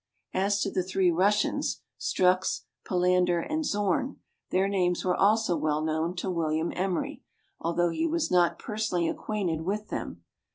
As to the three Russians, Strux, Palander, and Zorn, their names were also well known to William Emery, although he was not personally acquainted with them.